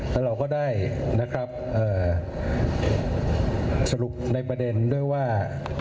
แล้วเราก็ได้นะครับสรุปในประเด็นด้วยว่า